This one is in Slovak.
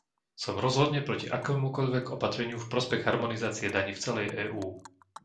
Som rozhodne proti akémukoľvek opatreniu v prospech harmonizácie daní v celej EÚ.